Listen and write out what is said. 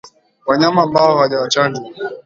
Wanyama ambao hawajachanjwa